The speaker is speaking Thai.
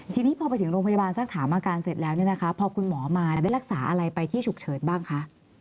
ทีนี้พอไปถึงโรงพยาบาลสักถามอาการเสร็จแล้วพอคุณหมอมาได้รักษาอะไรไปที่ฉุกเฉินบ้างคะ